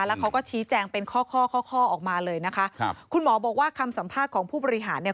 แล้วเขาก็ชี้แจงเป็นข้อข้อออกมาเลยนะคะครับคุณหมอบอกว่าคำสัมภาษณ์ของผู้บริหารเนี่ย